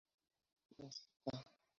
En Sta.